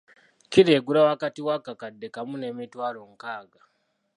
Kkiro egula wakati w’akakadde kamu n’emitwalo nkaaga.